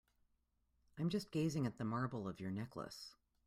I'm just gazing at the marble of your necklace.